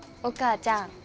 お母ちゃん。